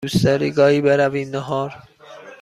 دوست داری گاهی برویم نهار؟